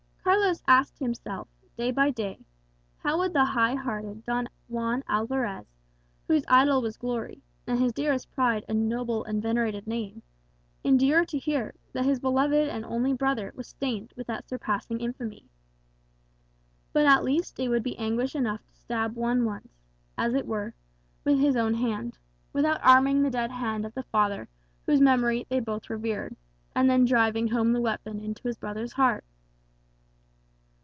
Carlos asked himself, day by day, how would the high hearted Don Juan Alvarez, whose idol was glory, and his dearest pride a noble and venerated name, endure to hear that his beloved and only brother was stained with that surpassing infamy? But at least it would be anguish enough to stab Juan once, as it were, with his own hand, without arming the dead hand of the father whose memory they both revered, and then driving home the weapon into his brother's heart.